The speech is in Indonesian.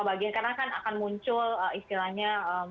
bagian karena kan akan muncul istilahnya